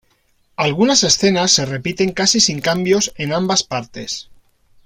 Algunas escenas se repiten casi sin cambios en ambas partes.